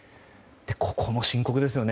ここも深刻ですよね。